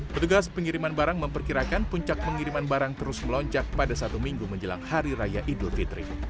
petugas pengiriman barang memperkirakan puncak pengiriman barang terus melonjak pada satu minggu menjelang hari raya idul fitri